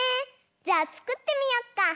じゃあつくってみよっか！